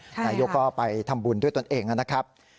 นายกก็ไปทำบุญด้วยตนเองนะครับ